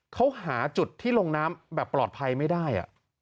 เขาหาจุดที่ลงน้ำแบบปลอดภัยไม่ได้